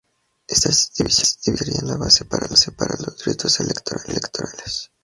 Estas divisiones serían la base para los distritos electorales.